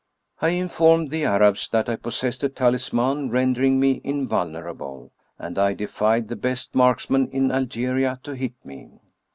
I informed the Arabs that I possessed a talisman render ing me invulnerable, and I defied the best marksman in Algeria to hit me.